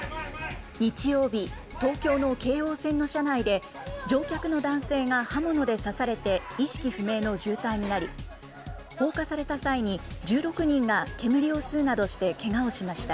日曜日、東京の京王線の車内で乗客の男性が刃物で刺されて意識不明の重体になり、放火された際に、１６人が煙を吸うなどしてけがをしました。